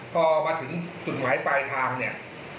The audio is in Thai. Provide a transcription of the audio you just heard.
พอมาถึงจุดหมายปลายทาง